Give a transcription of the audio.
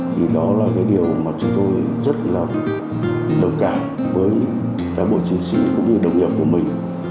thì đó là cái điều mà chúng tôi rất là đồng cảm với cán bộ chiến sĩ cũng như đồng nghiệp của mình